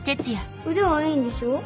腕はいいんでしょ？